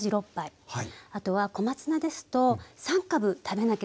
あとは小松菜ですと３株食べなければいけないんですね。